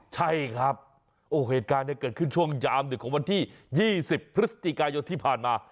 ใช่ครับโอ้โหเหตุการณ์เกิดขึ้นช่วงยามดึกของวันที่๒๐พฤศจิกายนที่ผ่านมา